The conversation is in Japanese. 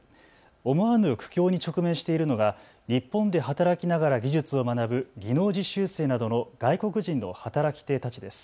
思わぬ苦境に直面しているのが日本で働きながら技術を学ぶ技能実習生などの外国人の働き手たちです。